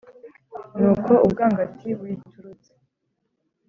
Nuko ubwangati buyiturutse,